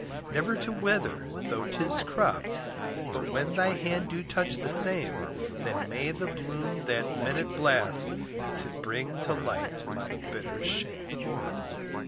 Never to wither though 'tis cropped, But when thy hand do touch the same, Then may the bloom that minute blast To bring to light my bitter shame.